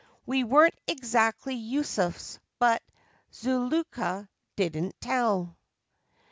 We weren't exactly Yussufs, but Zuleika didn't tell!